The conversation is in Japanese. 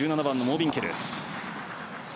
１７番のモービンケル。